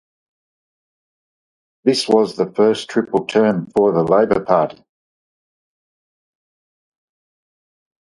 This was the first triple term for the Labour Party.